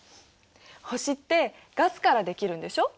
星ってガスからできるんでしょ。